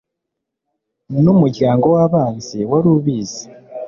n'umuryango w'abanzi wari ubizi